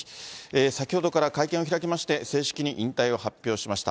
先ほどから会見を開きまして、正式に引退を発表しました。